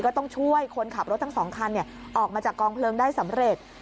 ก็ต้องช่วยคนขับรถทั้งสองคันออกมาจากกองเพลิงได้สำเร็จ